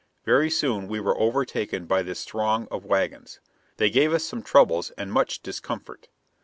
Very soon we were overtaken by this throng of wagons. They gave us some troubles, and much discomfort.